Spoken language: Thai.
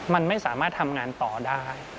มันไม่สามารถทำงานต่อได้